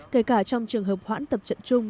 kể cả trong trường hợp hoãn tập trận chung